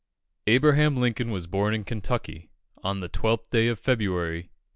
Abraham Lincoln was born in Kentucky, on the 12th day of February, 1809.